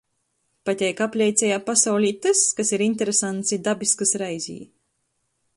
Pateik apleicejā pasaulī tys, kas ir interesants i dabiskys reizē.